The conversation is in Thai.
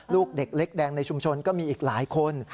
ลูกเด็กเล็กแดงในชุมชนก็มีอีกหลายคน